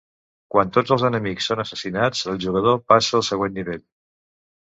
Quan tots els enemics són assassinats, el jugador passa al següent nivell.